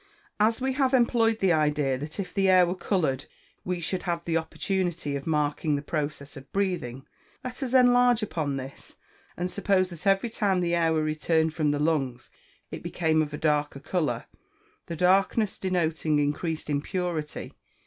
As we have employed the idea that if the air were coloured we should have the opportunity of marking the process of breathing, let us enlarge upon this, and suppose that every time the air were returned from the lungs it became of a darker colour, the darkness denoting increasing impurity.